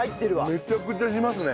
めちゃくちゃしますね。